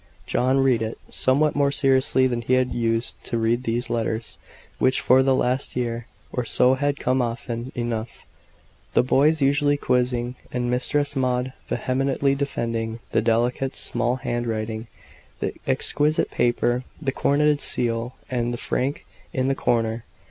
John read it, somewhat more seriously than he had been used to read these letters which for the last year or so had come often enough the boys usually quizzing, and Mistress Maud vehemently defending, the delicate small hand writing, the exquisite paper, the coronetted seal, and the frank in the corner.